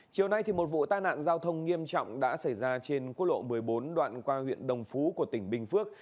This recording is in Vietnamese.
chiều nay một vụ tai nạn giao thông nghiêm trọng đã xảy ra trên quốc lộ một mươi bốn đoạn qua huyện đồng phú của tỉnh bình phước